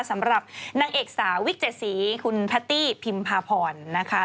สำหรับนางเอกสาววิกเจ็ดสีคุณแพตตี้พิมพาพรนะคะ